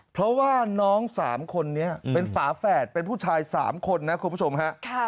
เพราะว่าน้อง๓คนนี้เป็นฝาแฝดเป็นผู้ชาย๓คนนะคุณผู้ชมฮะ